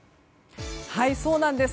そうなんです。